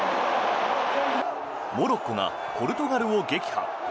モロッコがポルトガルを撃破。